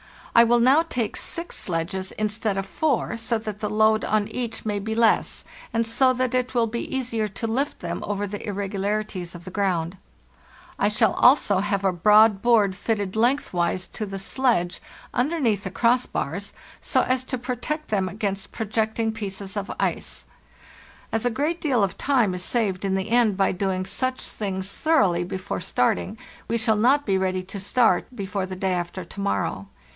I will now take six sledges instead of four, so that the load on each may be less, and so that it will be easier to lift them over the oround. I shall also have a broad irregularities of the g board fitted lengthwise to the sledge, underneath the crossbars, so as to protect them against projecting pieces of ice. As a great deal of time is saved in the end by doing such things thoroughly before starting, we shall not be ready to start before the day after to morrow.